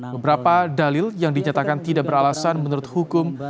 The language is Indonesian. beberapa dalil yang dinyatakan tidak beralasan menurut hukum